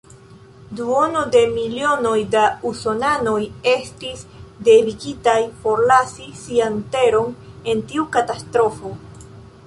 Duono de milionoj da usonanoj estis devigitaj forlasi sian teron en tiu katastrofo.